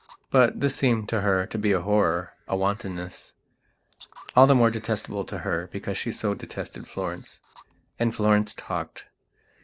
But this seemed to her to be a horrora wantonness, all the more detestable to her, because she so detested Florence. And Florence talked....